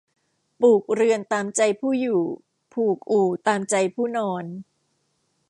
ปลูกเรือนตามใจผู้อยู่ ผูกอู่ตามใจผู้นอน